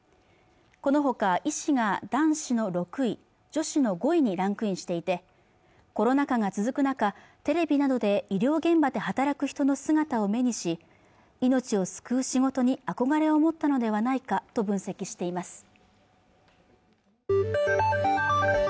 このほか医師が男子の６位女子の５位にランクインしていてコロナ禍が続く中テレビなどで医療現場で働く人の姿を目にし命を救う仕事に憧れを持ったのではないかと分析しています